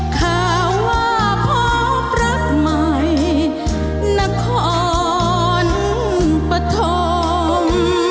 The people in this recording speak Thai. ข้าว่าพ่อประใหม่นครปธม